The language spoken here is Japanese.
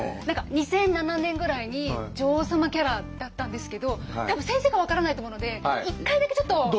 何か２００７年ぐらいに女王様キャラだったんですけど多分先生が分からないと思うので１回だけちょっと。